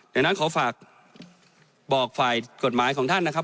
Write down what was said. ดังนั้นขอฝากบอกฝ่ายกฎหมายของท่านนะครับ